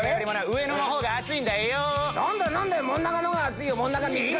上野の方が熱いんだい！